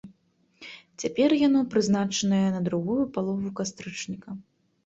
Цяпер яно прызначанае на другую палову кастрычніка.